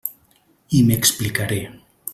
I m'explicaré.